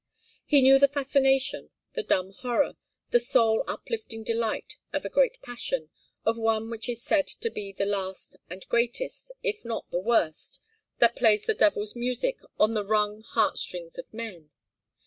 He knew the fascination, the dumb horror, the soul uplifting delight of a great passion, of one which is said to be the last and greatest, if not the worst, that plays the devil's music on the wrung heartstrings of men.